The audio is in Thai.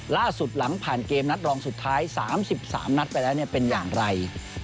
หลังผ่านเกมนัดรองสุดท้าย๓๓นัดไปแล้วเป็นอย่างไร